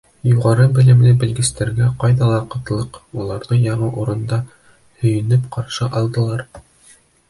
Юғары белемле белгестәргә ҡайҙа ла ҡытлыҡ, уларҙы яңы урында һөйөнөп ҡаршы алдылар.